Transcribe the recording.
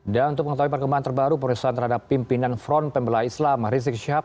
dan untuk mengetahui perkembangan terbaru pemeriksaan terhadap pimpinan front pembalai islam rizik syihab